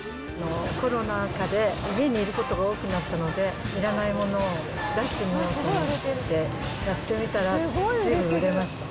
コロナ禍で家にいることが多くなったので、いらないものを出してみようと思って、やってみたらずいぶん売れました。